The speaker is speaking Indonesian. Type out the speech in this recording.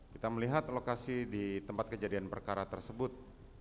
kita melihat lokasi di tempat kejadian perkara tersebut